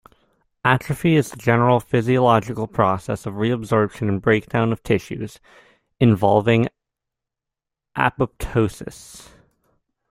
Atrophy is the general physiological process of reabsorption and breakdown of tissues, involving apoptosis.